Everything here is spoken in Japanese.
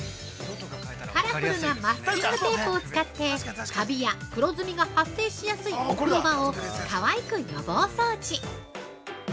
◆カラフルなマスキングテープを使ってカビや黒ずみが発生しやすいお風呂場をかわいく予防掃除。